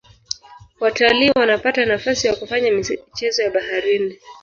watalii wanapata nafasi ya kufanya michezo ya baharini